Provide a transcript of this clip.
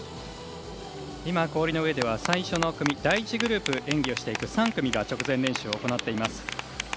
今、氷の上では第１グループ、演技をしていく３組が直前練習を行っています。